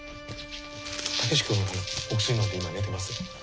武志君お薬のんで今寝てます。